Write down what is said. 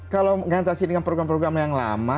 kalau mengatasi dengan program program yang lama